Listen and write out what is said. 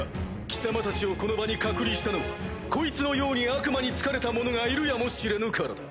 貴様たちをこの場に隔離したのはこいつのように悪魔につかれた者がいるやもしれぬからだ！